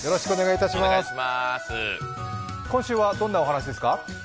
今週はどんなお話ですか？